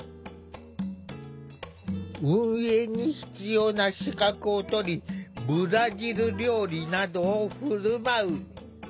運営に必要な資格を取りブラジル料理などを振る舞う。